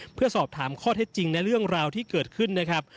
เพื่อสอบถามข้อเท็จจริงในเรื่องราวที่เกิดขึ้นนะครับ